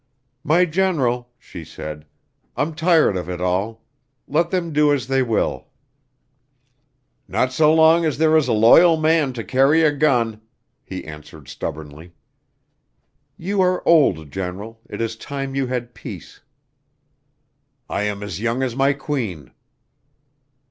"My General," she said, "I'm tired of it all. Let them do as they will." "Not so long as there is a loyal man to carry a gun," he answered stubbornly. "You are old, General; it is time you had peace." "I am as young as my queen."